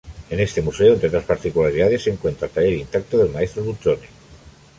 En este museo, entre otras particularidades, se encuentra el taller intacto del Maestro Bruzzone.